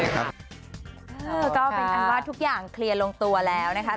ก็เป็นอันว่าทุกอย่างเคลียร์ลงตัวแล้วนะคะ